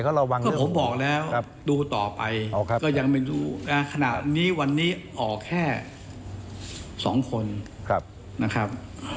ก็ผมบอกแล้วดูต่อไปก็ยังไม่รู้ขณะนี้วันนี้อ่อแค่สองคนนะครับ